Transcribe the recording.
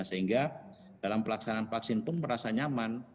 sehingga dalam pelaksanaan vaksin pun merasa nyaman